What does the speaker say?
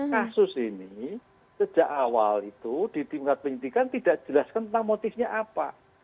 kasus ini sejak awal itu di timkat pendidikan tidak dijelaskan tentang motifnya apa